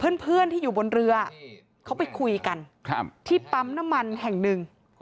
เพื่อนที่อยู่บนเรือเขาไปคุยกันที่ปั๊มน้ำมันแห่งหนึ่ง